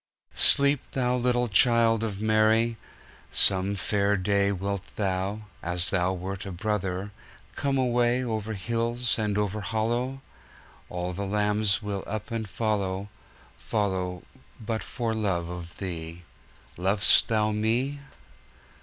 Sleep, Thou little Child of Mary. Some fair dayWilt Thou, as Thou wert a brother, Come awayOver hills and over hollow? All the lambs will up and follow, Follow but for love of Thee. Lov'st Thou me?